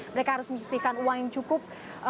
mereka harus menyisihkan uang yang cukup